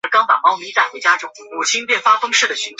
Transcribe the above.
弟朱士廉也中进士。